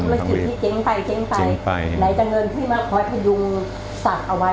ไหนจังเงินขึ้นมาคอยพยุงสักเอาไว้เนี่ย